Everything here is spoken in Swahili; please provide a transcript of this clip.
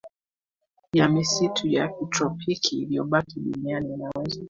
ya misitu ya kitropiki iliyobaki duniani inaweza